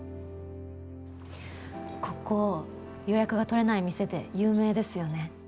ここ予約が取れない店で有名ですよね。